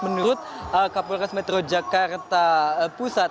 menurut kapolres metro jakarta pusat